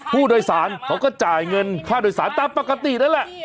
ผู้โดยสารเขาก็จ่ายเงินค่าโดยสารตามปกตินั่นแหละ